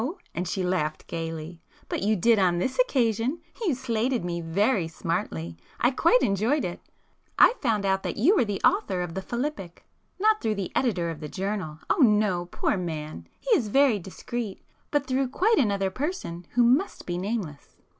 and she laughed gaily—"But you did on this occasion! You 'slated' me very smartly!—I quite enjoyed it. I found out that you were the author of the philippic,—not through the editor of the journal—oh no, poor man! he is very discreet; but through quite another person who must be nameless.